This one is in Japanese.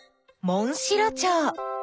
モンシロチョウ。